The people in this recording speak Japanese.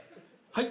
はい？